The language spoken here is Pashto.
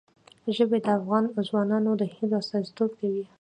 ژبې د افغان ځوانانو د هیلو استازیتوب کوي.